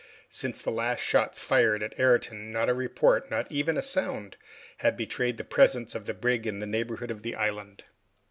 Since the last shots fired at Ayrton not a report, not even a sound, had betrayed the presence of the brig in the neighborhood of the island.